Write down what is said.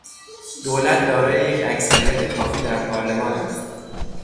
دولت دارای یک اکثریت کافی در پارلمان است.